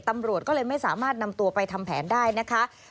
ตำรวจก็เลยไม่สามารถนำตัวไปทำแผนได้นะคะ